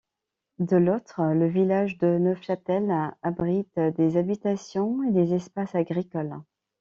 De l'autre, le village de Neufchâtel abrite des habitations et des espaces agricoles.